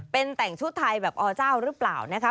เป็นแต่งชุดไทยแบบอเจ้าหรือเปล่านะคะ